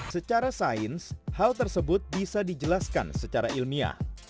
secara sains hal tersebut bisa dijelaskan secara ilmiah